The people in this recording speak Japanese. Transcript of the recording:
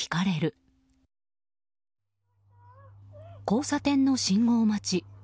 交差点の信号待ち。